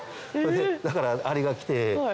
だからアリが来て。